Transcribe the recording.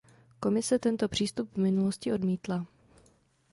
Komise tento přístup v minulosti odmítla.